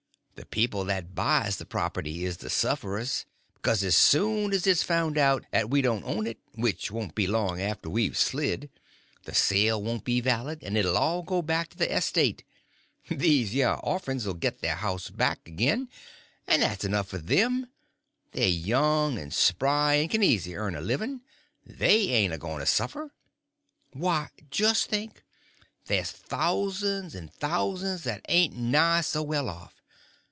The people that buys the property is the suff'rers; because as soon 's it's found out 'at we didn't own it—which won't be long after we've slid—the sale won't be valid, and it 'll all go back to the estate. These yer orphans 'll git their house back agin, and that's enough for them; they're young and spry, and k'n easy earn a livin'. They ain't a goin to suffer. Why, jest think—there's thous'n's and thous'n's that ain't nigh so well off.